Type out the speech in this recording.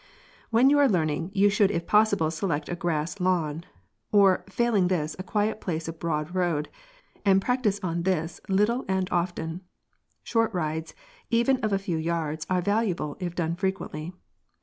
p> When you are learning, you should if possible select a grass lawn, or failing this a quiet piece of broad road, and practice on this little and often. Short rides, even of a few yards, are valuable, if done frequently.